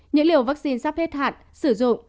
những liều vaccine sắp hết hạn sử dụng